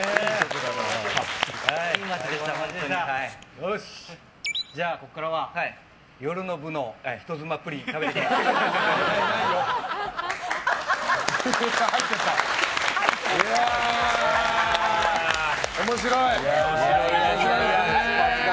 よし、じゃあここからは夜の部の人妻プリン食べに行きましょうか。